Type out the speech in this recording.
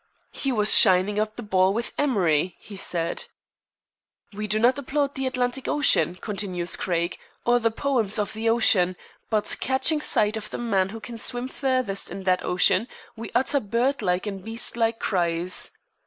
"He was shining up the ball with emery," he said. "We do not applaud the Atlantic Ocean," continues Craig, "or the poems of the ocean, but, catching sight of the man who can swim furthest in that ocean, we utter birdlike and beastlike cries."